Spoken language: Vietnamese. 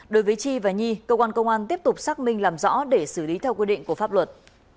đối với chi và nhi cơ quan công an tiếp tục xác minh làm rõ để xử lý theo quy định của pháp luật